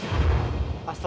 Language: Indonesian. sudah apa tuh